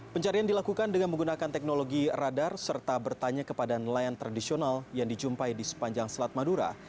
pencarian dilakukan dengan menggunakan teknologi radar serta bertanya kepada nelayan tradisional yang dijumpai di sepanjang selat madura